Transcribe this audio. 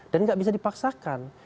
dan tidak bisa dipaksakan